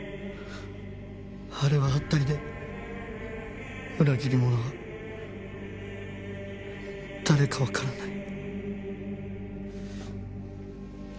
あれはハッタリで裏切り者は誰かわからない。